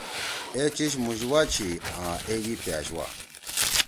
اے چیِش مُوشوا چھی آں ایگی پأش وا۔